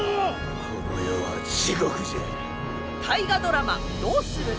この世は地獄じゃ。